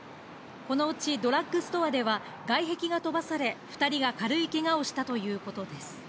このうち、ドラッグストアでは外壁が飛ばされ、２人が軽いけがをしたということです。